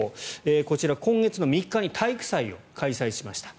こちら、今月３日に体育祭を開催しました。